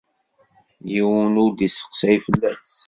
Yiwen ur d-isteqsay fell-as.